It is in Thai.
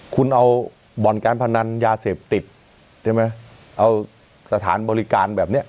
คุณเอาบ่อนการพนันยาเสพติดใช่ไหมเอาสถานบริการแบบเนี้ย